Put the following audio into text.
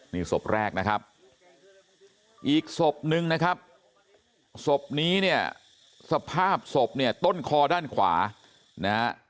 นี่ศพแรกนะครับอีกศพนึงนะครับศพนี้เนี่ยสภาพศพเนี่ยต้นคอด้านขวานะฮะ